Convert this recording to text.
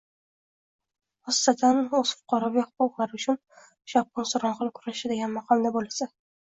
xossatan o‘z fuqaroviy haq-huquqlari uchun shovqin-suron qilib kurashadigan maqomda bo‘lsa?!